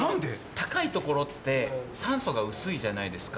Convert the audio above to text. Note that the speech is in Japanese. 高い所って酸素が薄いじゃないですか。